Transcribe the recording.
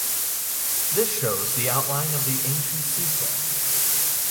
This shows the outline of the ancient seacliff.